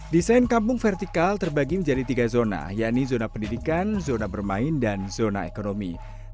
desain kampung vertikal terbagi menjadi tiga zona yaitu zona pendidikan zona bermain dan zona ekonomi